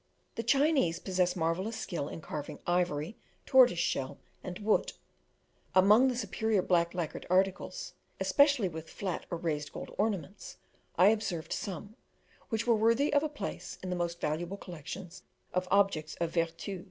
The Chinese possess marvellous skill in carving ivory, tortoiseshell, and wood. Among the superior black lacquered articles, especially with flat or raised gold ornaments, I observed some, which were worthy of a place in the most valuable collections of objects of vertu.